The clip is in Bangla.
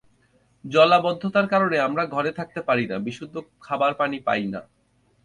জলাবদ্ধতার কারণে আমরা ঘরে থাকতে পারি না, বিশুদ্ধ খাবার পানি পাই না।